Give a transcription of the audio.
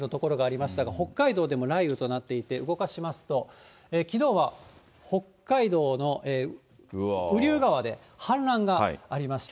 北陸でもね、雷雨の所がありましたが、北海道でも雷雨となっていて、動かしますと、きのうは北海道のうりゅう川で氾濫がありました。